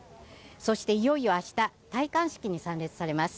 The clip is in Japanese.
そしていよいよ明日戴冠式に参列されます。